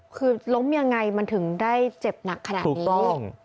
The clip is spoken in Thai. คือล้มยังไงมันถึงได้เจ็บหนักขนาดนี้